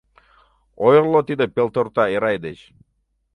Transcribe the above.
Ойырло тиде пелторта Эрай деч!